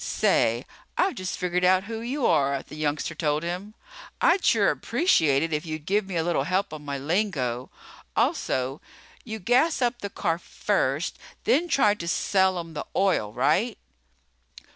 "Say, I've just figured out who you are," the youngster told him. "I'd sure appreciate it if you'd give me a little help on my lingo. Also, you gas up the car first, then try to sell 'em the oil right?"